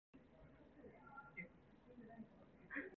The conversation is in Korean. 이 튀긴 닭 껍질은 맛있습니다.